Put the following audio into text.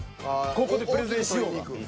ここでプレゼンしようが。